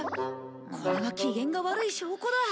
これは機嫌が悪い証拠だ。